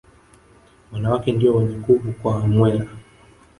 Wanawake ndio wenye nguvu kwa Wamwera